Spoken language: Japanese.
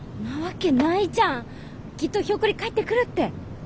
なわけないじゃん。きっとひょっこり帰ってくるって。